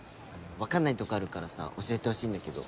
分かんないとこあるからさ教えてほしいんだけど。